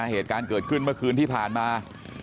เหตุการณ์เกิดขึ้นเมื่อคืนที่ผ่านมา